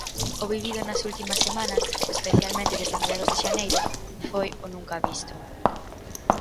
O vivido nas últimas semanas, especialmente desde mediados de xaneiro, foi "o nunca visto".